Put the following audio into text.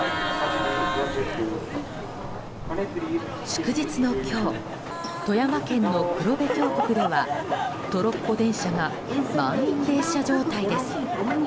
祝日の今日富山県の黒部峡谷ではトロッコ電車が満員電車状態です。